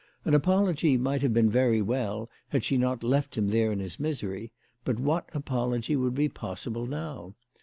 An apology might have been very well had she not left him there in his misery but what apology would be possible now